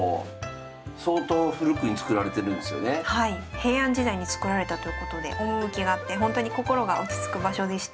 平安時代に造られたということで趣があってほんとに心が落ち着く場所でした。